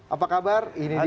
apa kabar ini dia